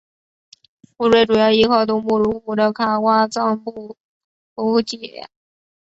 湖水主要依靠东部入湖的卡挖臧布补给。